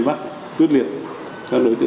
các tiêu vị giới thiệu pretty huấn